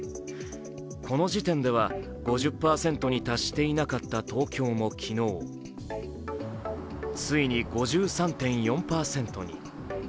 この時点では５０％に達していなかった東京も昨日ついに５３．４％に。